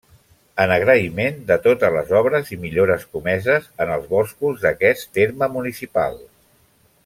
En agraïment de totes les obres i millores comeses en els boscos d'aquest terme municipal.